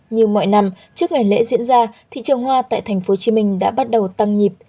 như mọi năm trước ngày lễ diễn ra thị trường hoa tại tp hcm đã bắt đầu tăng nhịp